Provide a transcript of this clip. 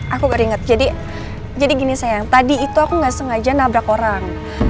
aku baru inget jadi gini sayang tadi itu aku gak sengaja nabrak orang